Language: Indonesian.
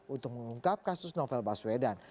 untuk mengungkap kasus novel baswedan